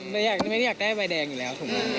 ไม่ได้อยากได้ใบแดงอยู่แล้วถูกไหม